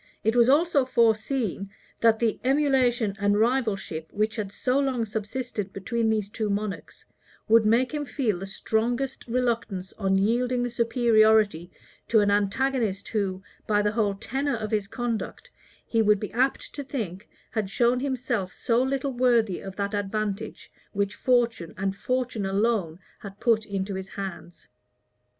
It was also foreseen, that the emulation and rivalship, which had so long subsisted between these two monarchs, would make him feel the strongest reluctance on yielding the superiority to an antagonist who, by the whole tenor of his conduct, he would be apt to think, had shown himself so little worthy of that advantage which fortune, and fortune alone, had put into his hands.